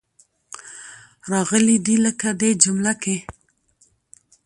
راغلې دي. لکه دې جمله کې.